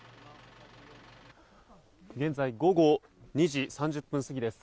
現在午後２時３０分過ぎです。